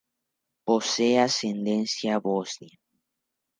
Posee ascendencia bosnia.